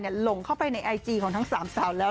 หลงเข้าไปในไอจีของทั้งสามสาวแล้ว